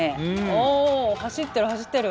おお走ってる走ってる！